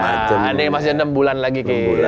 ada yang masih enam bulan lagi kayaknya